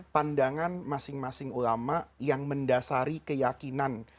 pandangan masing masing ulama yang mendasari keyakinan